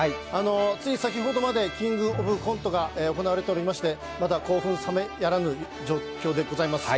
つい先ほどまで「キングオブコント」が行われておりまして、まだ、興奮冷めやらぬ状況でございます。